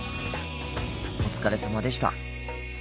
お疲れさまでした。